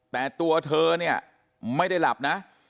แต่ตัวเธอเนี่ยไม่ได้หลับนะ